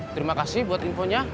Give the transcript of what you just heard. terima kasih buat infonya